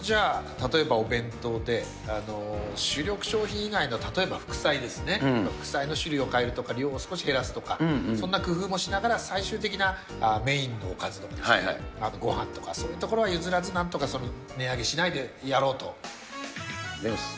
このお弁当で主力商品以外の例えば副菜ですね、副菜の種類を変えるとか、量を少し減らすとか、そんな工夫もしながら最終的なメインのおかずとかですね、ごはんとか、そういうところは譲らず、なんといただきます。